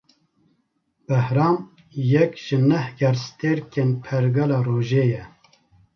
Behram, yek ji neh gerstêrkên Pergala Rojê ye